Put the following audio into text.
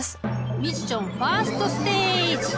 ミッションファーストステージクリア！